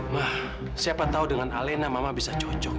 ma siapa tahu dengan alena mama bisa cocok ma